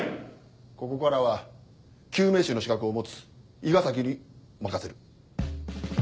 ここからは救命士の資格を持つ伊賀崎に任せる。